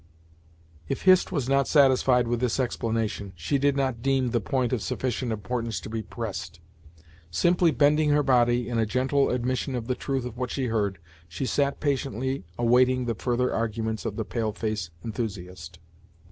If Hist was not satisfied with this explanation, she did not deem the point of sufficient importance to be pressed. Simply bending her body, in a gentle admission of the truth of what she heard, she sat patiently awaiting the further arguments of the pale face enthusiast.